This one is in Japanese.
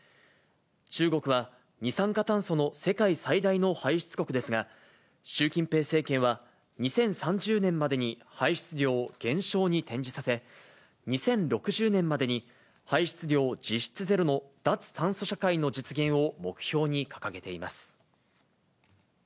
中国は二酸化炭素の世界最大の排出国ですが、習近平政権は、２０３０年までに排出量を減少に転じさせ、２０６０年までに排出量実質ゼロの脱炭素社会の実現を目標に掲げています。